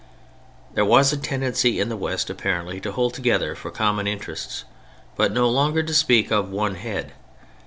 There was a tendency in the West apparently to hold together for common interests, but no longer to speak of one head.